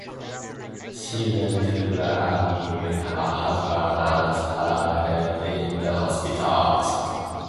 She went to the army with her husband and served in the hospitals.